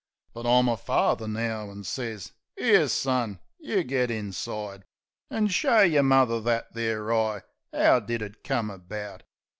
But I'm a father now, an' sez, " 'Ere, son, you git inside An' show yer mother that there eye. 'Ow did it come about?"